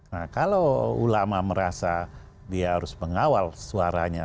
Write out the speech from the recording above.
nah kalau ulama merasa dia harus mengawal suaranya